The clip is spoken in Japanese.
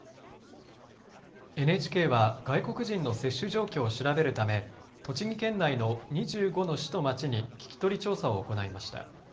ＮＨＫは、外国人の接種状況を調べるため、栃木県内の２５の市と町に聞き取り調査を行いました。